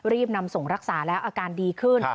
รีบนำส่งรักษาแล้วอาการดีขึ้น